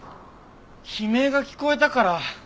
悲鳴が聞こえたから。